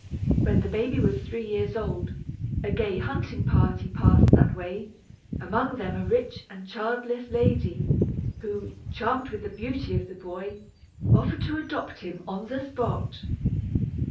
When the baby was three years old, a gay hunting party passed that way, among them a rich and childless lady, who, charmed with the beauty of the boy, offered to adopt him on the spot.